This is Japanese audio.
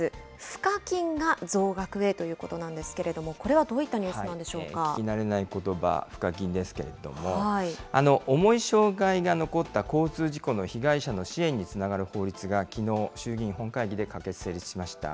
賦課金が増額へということなんですけれども、これはどういったニ聞き慣れないことば、賦課金ですけれども、重い障害が残った交通事故の被害者の支援につながる法律がきのう、衆議院本会議で可決・成立しました。